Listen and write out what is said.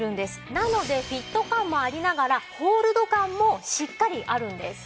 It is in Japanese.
なのでフィット感もありながらホールド感もしっかりあるんです。